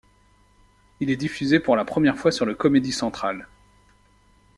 Il est diffusé pour la première fois le sur Comedy Central.